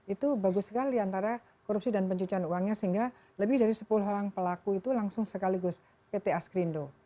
itu bagus sekali antara korupsi dan pencucian uangnya sehingga lebih dari sepuluh orang pelaku itu langsung sekaligus pt askrindo